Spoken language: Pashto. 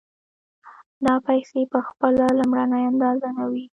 دا پیسې په خپله لومړنۍ اندازه نه وي